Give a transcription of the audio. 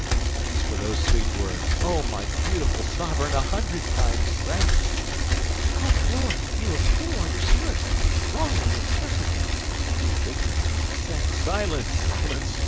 Thanks for those sweet words! Oh, my beautiful sovereign, a hundred times, thanks!" "Oh, my Lord! You have ill understood, wrongly interpreted; I did not mean to say—" "Silence, silence!"